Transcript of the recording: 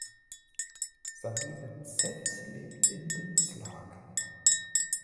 Sabine Zett lebt in Dinslaken.